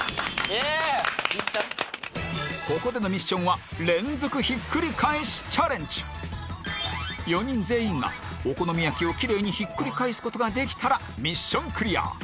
ここでのミッションは４人全員がお好み焼きをキレイにひっくり返す事ができたらミッションクリア